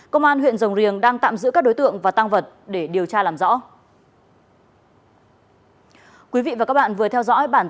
công an huyện rồng riềng đang tạm giữ các đối tượng và tăng vật để điều tra làm rõ